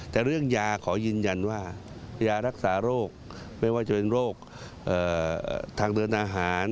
แต่เรื่องยาขอยืนยันว่ายารักษาโรคไม่ว่าจะเป็นโรคทางเดินอาหาร